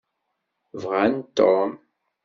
Bɣan Tom.